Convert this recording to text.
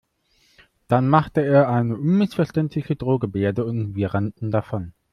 Dann machte er eine unmissverständliche Drohgebärde und wir rannten davon.